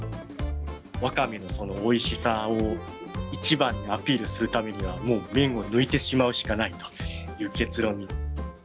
わかめのおいしさを一番にアピールするためには、もう麺を抜いてしまうしかないという結論に。